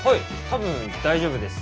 多分大丈夫です。